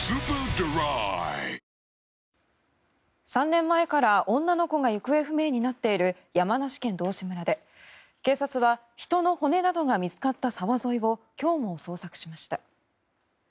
３年前から女の子が行方不明になっている山梨県道志村で警察は、人の骨などが見つかった沢沿いを今日も捜索しました。